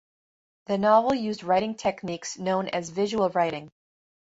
The novel used writing techniques known as visual writing.